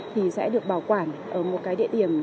thì sẽ được bảo quản ở một cái địa điểm